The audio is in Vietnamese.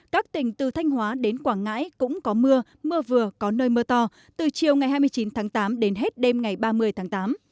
các tỉnh từ thanh hóa đến quảng ngãi cũng có mưa mưa vừa có nơi mưa to từ chiều ngày hai mươi chín tháng tám đến hết đêm ngày ba mươi tháng tám